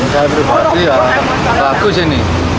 saya pribadi ya bagus ini